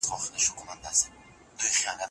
په دیوان کې د پښتنو نیمګړتياوې ښيي.